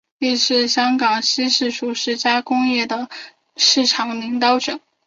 亦是香港西式熟食加工业的市场领导者。